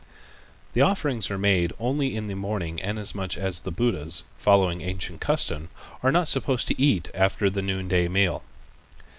The offerings are made only in the morning inasmuch as the Buddhas, following ancient custom, are not supposed to eat after the noonday meal.